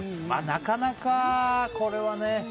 なかなか、これはね。